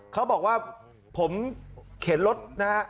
เขาบอกว่าผมเข็นรถนะฮะ